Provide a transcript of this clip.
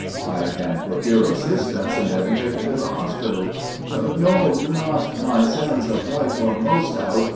"I can procure assistance, and have you taken to the hospital." "No, do not, my sands of life are most out.